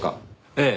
ええ。